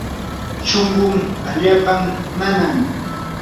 shunqun allaapam nanan.